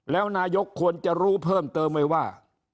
แล้วนายกควรจะรู้เพิ่มเติมไหมว่า